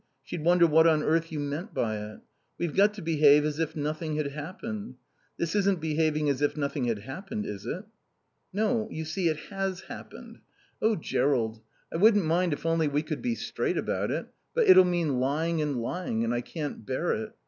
She'd wonder what on earth you meant by it. We've got to behave as if nothing had happened. This isn't behaving as if nothing had happened, is it?" "No. You see, it has happened. Oh Jerrold, I wouldn't mind if only we could be straight about it. But it'll mean lying and lying, and I can't bear it.